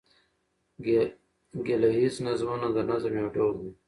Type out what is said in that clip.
ګيله ييز نظمونه د نظم یو ډول دﺉ.